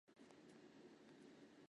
找到散发出的香甜水果味！